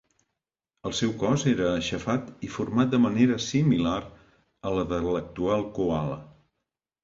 El seu cos era aixafat i format de manera similar a la de l'actual coala.